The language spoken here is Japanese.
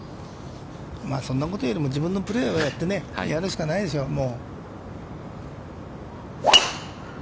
そんなことよりも、自分のプレーをやってね、やるしかないですよ、もう。